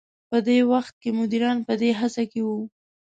په دې وخت کې مديران په دې هڅه کې وو.